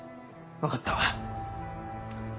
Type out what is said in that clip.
分かった。